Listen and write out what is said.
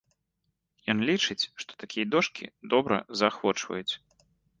Ён лічыць, што такія дошкі добра заахвочваюць!